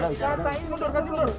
ya kasih mundur dulu kasi mundur